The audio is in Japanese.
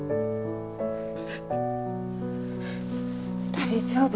大丈夫。